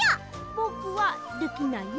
ぼくはできないよ。